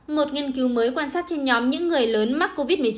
một nghiên cứu mới quan sát trên nhóm những người lớn mắc covid một mươi chín